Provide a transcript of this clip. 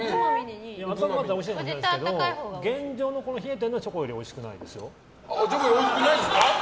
温めたらおいしいと思うんですけど現状の冷えてるのはチョコよりおいしくないですよ。